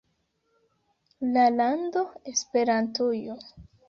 La lando Esperantujo.